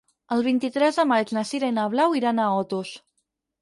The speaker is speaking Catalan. El vint-i-tres de maig na Sira i na Blau iran a Otos.